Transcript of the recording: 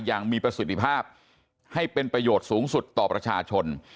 อย่างมีประสิทธิภาพให้เป็นประโยชน์สูงสุดต่อประชาชน